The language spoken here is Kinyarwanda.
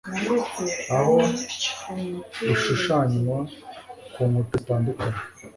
aho bishushanywa ku nkuta zitandukanye